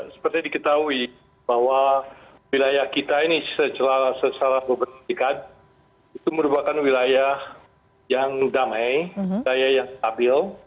seperti diketahui bahwa wilayah kita ini secara kepentingan itu merupakan wilayah yang damai wilayah yang stabil